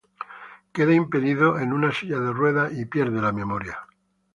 Queda impedido en una silla de ruedas y pierde la memoria.